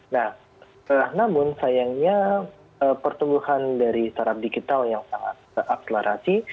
nah namun sayangnya pertumbuhan dari startup digital yang sangat akselerasi